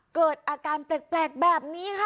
เกิดอาการแปลกแบบนี้ค่ะ